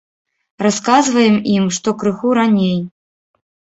Расказваем ім, што крыху раней.